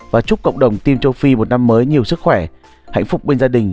và chúc cộng đồng tiêm châu phi một năm mới nhiều sức khỏe hạnh phúc bên gia đình